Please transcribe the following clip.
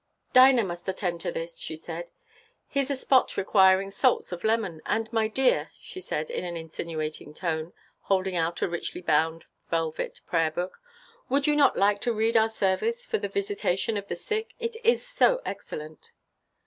"Dinah must attend to this," she said; "here 's a spot requiring salts of lemon; and, my dear," she said, in an insinuating tone, holding out a richly bound velvet prayer book, "would you not like to read our service for the Visitation of the Sick, – it is so excellent."